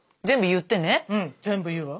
うん全部言うわ。